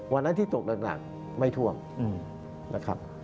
วันนั้นที่ตกหนักไม่ท่วมนะครับ